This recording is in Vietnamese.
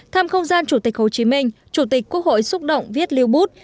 thăm không gian chủ tịch hồ chí minh chủ tịch quốc hội xúc động viết lưu bút